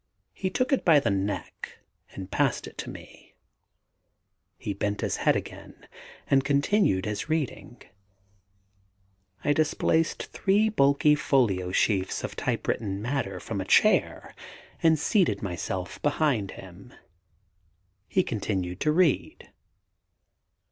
He took it by the neck and passed it to me. He bent his head again and continued his reading. I displaced three bulky folio sheaves of typewritten matter from a chair and seated myself behind him. He continued to read.